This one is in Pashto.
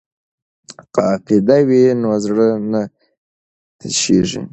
که عقیده وي نو زړه نه تشیږي.